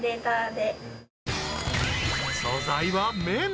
［素材は綿。